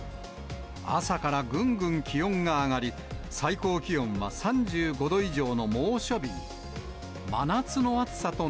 朝からぐんぐん気温が上がり、最高気温は３５度以上の猛暑日に。